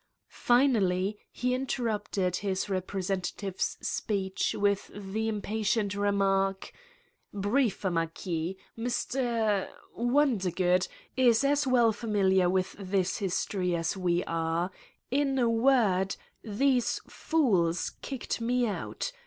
Finally, he inter rupted his representative's speech with the im patient remark: "Briefer, Marquis. Mr. ... Wondergood is as well familiar with this history as we are. In a word, these fools kicked me out.